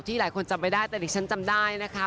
หลายคนจำไม่ได้แต่ดิฉันจำได้นะคะ